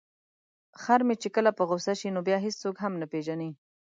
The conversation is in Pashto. خر مې چې کله په غوسه شي نو بیا هیڅوک هم نه پيژني.